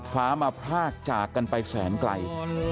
ฟ้ามาพรากจากกันไปแสนไกล